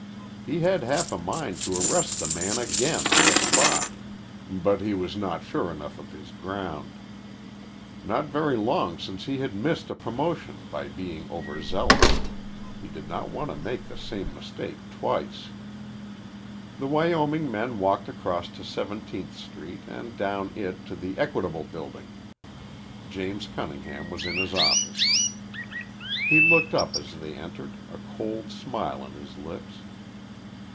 He had half a mind to arrest the man again on the spot, but he was not sure enough of his ground. Not very long since he had missed a promotion by being overzealous. He did not want to make the same mistake twice. The Wyoming men walked across to Seventeenth Street and down it to the Equitable Building. James Cunningham was in his office. He looked up as they entered, a cold smile on his lips.